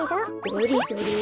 どれどれ？